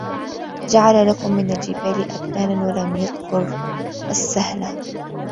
جَعَلَ لَكُمْ مِنْ الْجِبَالِ أَكْنَانًا وَلَمْ يَذْكُرْ السَّهْلَ